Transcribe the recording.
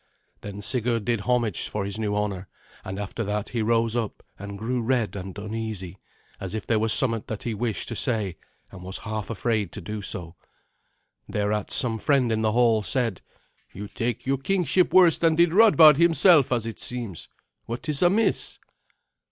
Then Sigurd did homage for his new honour; and after that he rose up, and grew red and uneasy, as if there was somewhat that he wished to say, and was half afraid to do so. Thereat some friend in the hall said, "You take your kingship worse than did Radbard himself, as it seems. What is amiss?"